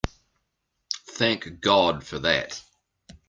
Thank God for that!